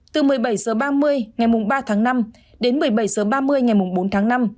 từ một mươi bảy h ba mươi ngày ba tháng năm đến một mươi bảy h ba mươi ngày bốn tháng năm